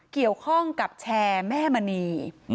เกี่ยวข้องกับแชร์แม่มณี